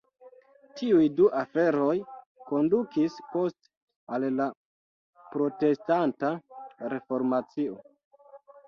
Tiuj du aferoj kondukis poste al la Protestanta Reformacio.